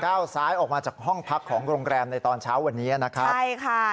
ซ้ายออกมาจากห้องพักของโรงแรมในตอนเช้าวันนี้นะครับใช่ค่ะ